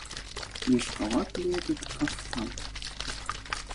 Мешковат ли этот кафтан?